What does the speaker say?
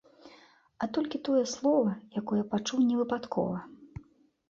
А толькі тое слова, якое пачуў невыпадкова.